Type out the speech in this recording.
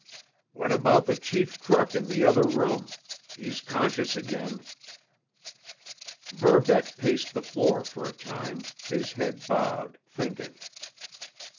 "What about the chief crook in the other room? He's conscious again." Verbeck paced the floor for a time, his head bowed, thinking.